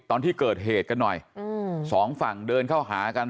ตอนที่เกิดเหตุกันหน่อยอืมสองฝั่งเดินเข้าหากัน